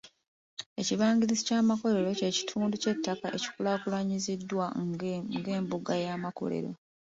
Ekibangirizi ky'amakolero ky'ekitundu ky'ettaka ekikulaakulanyiziddwa ng'embuga y'amakolero.